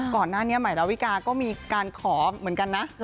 ก่อนหน้านี้ใหม่ดาวิกาก็มีการขอเหมือนกันนะ